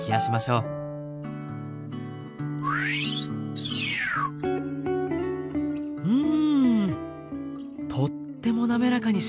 うん。